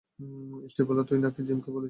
Stifler, তুই নাকি জিমকে বলেছিস।